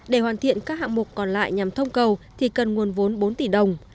để hoàn thiện các hạng mục còn lại nhằm thông cầu thì cần nguồn vốn bốn tỷ đồng